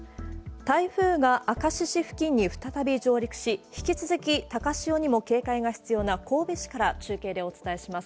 台風が明石市付近に再び上陸し、引き続き、高潮にも警戒が必要な神戸市から中継でお伝えします。